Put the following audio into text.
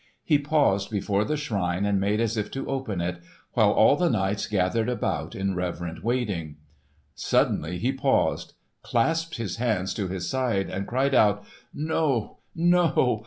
He paused before the shrine and made as if to open it, while all the knights gathered about in reverent waiting. Suddenly he paused, clasped his hands to his side and cried out: "No! no!